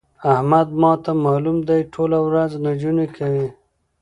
احمد ما ته مالوم دی؛ ټوله ورځ نجونې کوي.